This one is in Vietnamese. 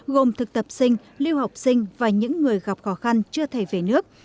gồm thực tập sinh lưu học sinh và những người gặp khó khăn chưa thể về nước